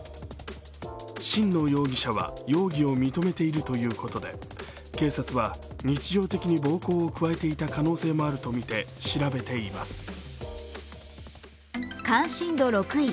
新納容疑者は容疑を認めているということで警察は日常的に暴行を加えていた可能性もあるとみて調べています。